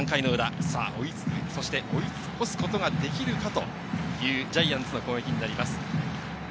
追いつき追い越すことができるかというジャイアンツの攻撃になります。